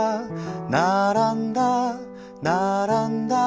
「ならんだならんだ」